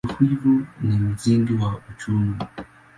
Uvuvi ni msingi wa uchumi.